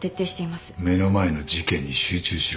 目の前の事件に集中しろ。